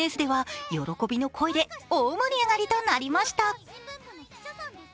ＳＮＳでは喜びの声で大盛り上がりとなりました。